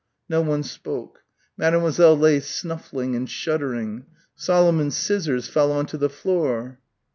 No one spoke; Mademoiselle lay snuffling and shuddering. Solomon's scissors fell on to the floor.